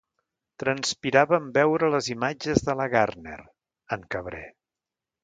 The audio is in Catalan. Transpirava en veure les imatges de la Gardner, en Cabré.